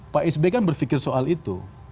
pak sb kan berfikir soal itu